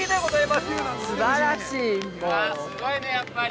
◆すごいね、やっぱり。